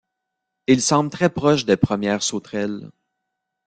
Il semble très proche des premières sauterelles.